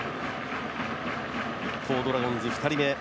一方、ドラゴンズ２人目。